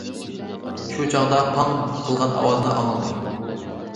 شۇ چاغدا« پاڭ» قىلغان ئاۋازنى ئاڭلىدى.